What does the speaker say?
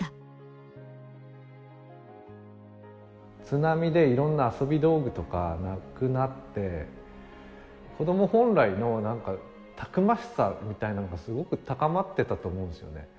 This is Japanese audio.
津波でいろんな遊び道具とかなくなって子ども本来のなんかたくましさみたいなのがすごく高まっていたと思うんですよね。